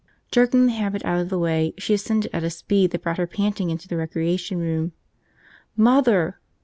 Jerking the habit out of the way, she ascended at a speed that brought her panting into the recreation room. "Mother!"